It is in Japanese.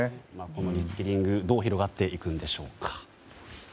このリスキリングどう広がっていくんでしょうか。